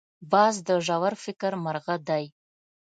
باز د ژور فکر مرغه دی